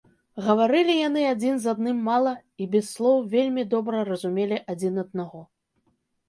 Гаварылі яны адзін з адным мала і без слоў вельмі добра разумелі адзін аднаго.